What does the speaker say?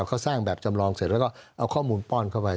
เขาสร้างแบบจำลองเสร็จแล้วก็เอาข้อมูลป้อนเข้าไป